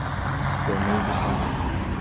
There may be something.